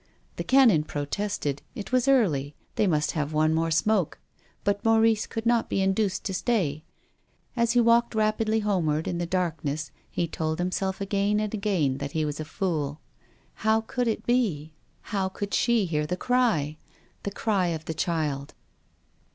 The Canon protested. It was early. They must have one more smoke. But Maurice could not be induced to stay. As he walked rapidly homeward in the darkness he told himself again and again that he was a fool. How could it be? 194 TONGUES OF CONSCIENCE. How could she hear the cry? The cry of the child?